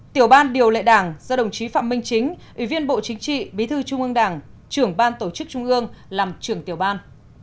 tiểu ban điều lệ đảng do đồng chí phạm minh chính ủy viên bộ chính trị bí thư trung ương đảng trưởng ban tổ chức trung ương làm trưởng tiểu ban